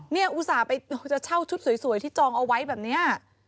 อุตส่าห์ไปจะเช่าชุดสวยที่จองเอาไว้แบบนี้